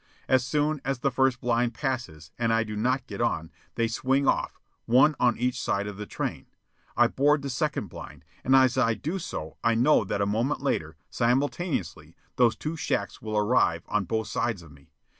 As soon as the first blind passes and I do not get on, they swing off, one on each side of the train. I board the second blind, and as I do so I know that a moment later, simultaneously, those two shacks will arrive on both sides of me.